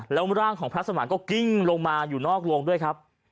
แล้วร่างของพระสมานก็กิ้งลงมาอยู่นอกโรงด้วยครับ